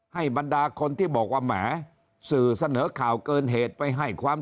บรรดาคนที่บอกว่าแหมสื่อเสนอข่าวเกินเหตุไปให้ความ